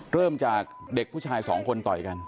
เริ่มจากเด็กผู้ชายสองคนต่อยกัน